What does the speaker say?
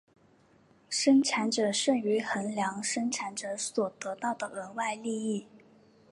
生产者剩余衡量生产者所得到的额外利益。